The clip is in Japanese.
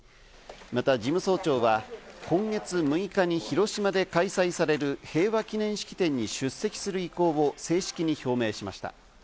また、事務総長は今月６日に広島で開催される平和記念式典に出席する意向を正式に表明しました。